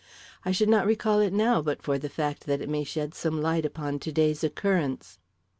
I should not recall it now but for the fact that it may shed some light upon to day's occurrence."